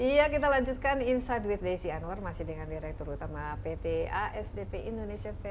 iya kita lanjutkan insight with desy anwar dengan sentri utama pt asjp indonesia santai